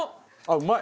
うまい！